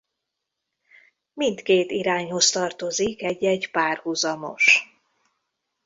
Mindkét irányhoz tartozik egy-egy párhuzamos.